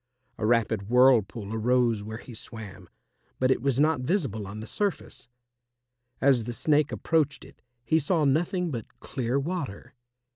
A rapid whirlpool arose where he swam, but it was not visible on the surface. As the Snake approached it, he saw nothing but clear water.